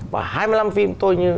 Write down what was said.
và hai mươi năm phim tôi như